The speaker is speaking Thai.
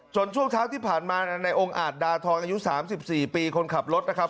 ช่วงเช้าที่ผ่านมาในองค์อาจดาทองอายุ๓๔ปีคนขับรถนะครับ